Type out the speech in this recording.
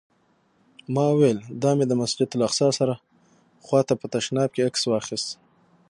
ما وویل: دا مې د مسجداالاقصی سره خوا ته په تشناب کې عکس واخیست.